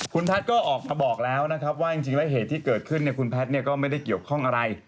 คุณแพทย์ก็ออกมาบอกแล้วนะครับว่าจริงแล้วเหตุที่เกิดขึ้นคุณแพทย์ก็ไม่ได้เกี่ยวข้องอะไร